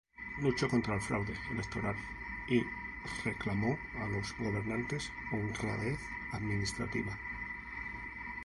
Luchó contra el fraude electoral y reclamó a los gobernantes honradez administrativa.